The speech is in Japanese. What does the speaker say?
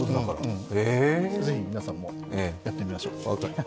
ぜひ皆さんも、やってみましょう。